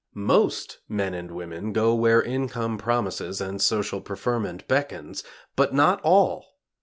Most men and women go where income promises and social preferment beckons. But not all!